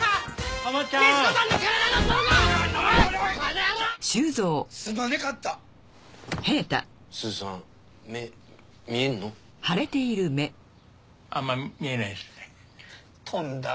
あんま見えないですね。